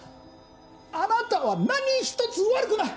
あなたは何ひとつ悪くない！